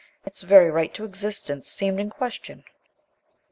Its very right to existence seemed in question.